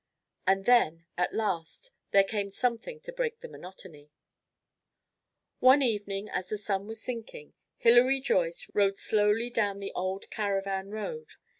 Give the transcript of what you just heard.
And then at last there came something to break the monotony. One evening, as the sun was sinking, Hilary Joyce rode slowly down the old caravan road.